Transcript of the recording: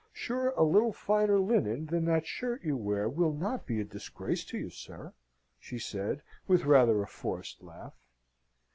"Sure a little finer linen than that shirt you wear will not be a disgrace to you, sir," she said, with rather a forced laugh.